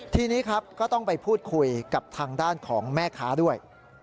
ทีนี้ครับก็ต้องไปพูดคุยกับทางด้านของแม่ค้าด้วย